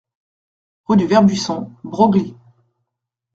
Rue du Vert Buisson, Broglie